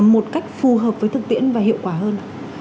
một cách phù hợp với thực tiễn và hiệu quả hơn